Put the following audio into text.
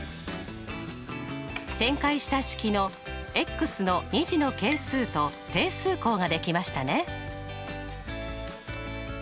展開した式のの２次の係数と定数項ができましたね。